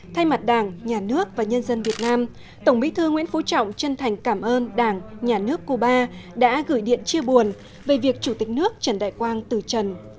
thay mặt đảng nhà nước và nhân dân việt nam tổng bí thư nguyễn phú trọng chân thành cảm ơn đảng nhà nước cuba đã gửi điện chia buồn về việc chủ tịch nước trần đại quang từ trần